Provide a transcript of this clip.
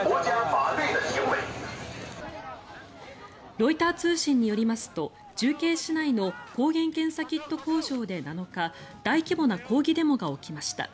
ロイター通信によりますと重慶市内の抗原検査キット工場で７日大規模な抗議デモが起きました。